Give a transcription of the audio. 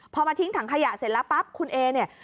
พอมาทิ้งถังขยะเสร็จแล้วปั๊บคุณเอเนี่ย